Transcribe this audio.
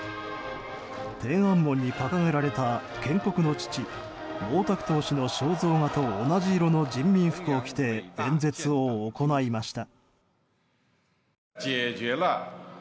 天安門に掲げられた建国の父・毛沢東氏の肖像画と同じ色の人民服を着て演説を行いました。